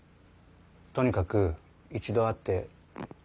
とにかく一度会って。